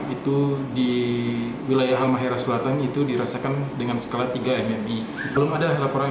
itu di wilayah halmahera selatan